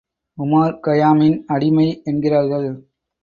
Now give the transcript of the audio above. உமார்கயாமின் அடிமை என்கிறார்கள்.